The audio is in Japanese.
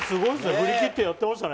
振り切ってやってましたね。